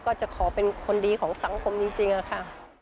ก็จะขอเป็นคนดีของสังคมจริงค่ะ